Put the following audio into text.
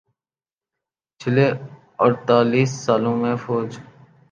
چھلے اڑتالیس سالوں میں فوج